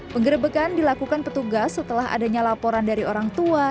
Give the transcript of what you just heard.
penggerbekan dilakukan petugas setelah adanya laporan dari orang tua